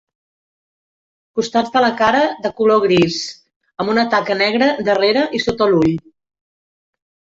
Costats de la cara de color gris amb una taca negra darrere i sota l'ull.